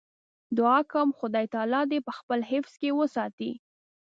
دعا کوم خدای تعالی دې په خپل حفظ کې وساتي.